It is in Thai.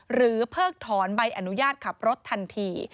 เพิกถอนใบอนุญาตขับรถทันที